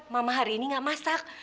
mama hari ini gak masak